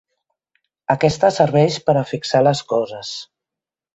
Aquesta serveix per a fixar les coses.